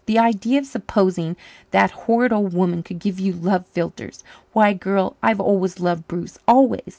The idea of supposing that horrid old woman could give you love philtres! Why, girl, I've always loved Bruce always.